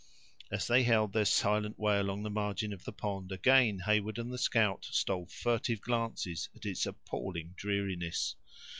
As they held their silent way along the margin of the pond, again Heyward and the scout stole furtive glances at its appalling dreariness.